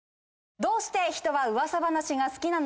どうして人は噂話が好きなの？